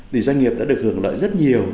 thì doanh nghiệp đã được hưởng lợi rất nhiều